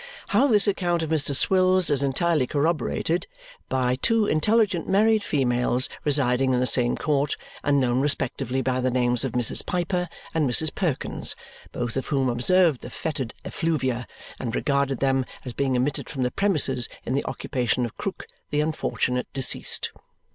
How this account of Mr. Swills is entirely corroborated by two intelligent married females residing in the same court and known respectively by the names of Mrs. Piper and Mrs. Perkins, both of whom observed the foetid effluvia and regarded them as being emitted from the premises in the occupation of Krook, the unfortunate deceased.